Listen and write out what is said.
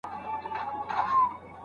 که صنعت وده وکړي کارونه به اسانه سي.